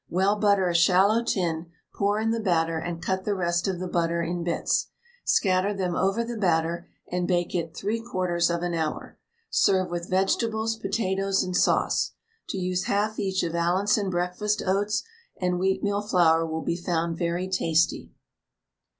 Well butter a shallow tin, pour in the batter, and cut the rest of the butter in bits. Scatter them over the batter and bake it 3/4 of an hour. Serve with vegetables, potatoes, and sauce. To use half each of Allinson breakfast oats and wheatmeal flour will be found very tasty.